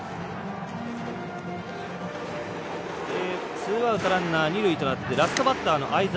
ツーアウト、ランナー、二塁でラストバッターの相澤。